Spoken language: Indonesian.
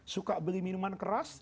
suka beli minuman keras